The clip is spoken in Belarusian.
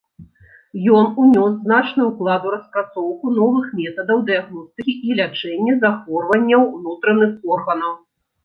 Ён ўнёс значны ўклад у распрацоўку новых метадаў дыягностыкі і лячэння захворванняў унутраных органаў.